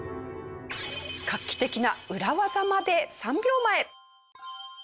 画期的な裏技まで３秒前。